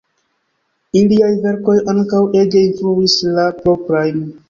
Iliaj verkoj ankaŭ ege influis la proprajn.